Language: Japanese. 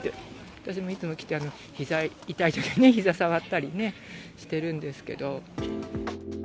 私もいつも来て、ひざ痛いときにひざ触ったりね、してるんですけど。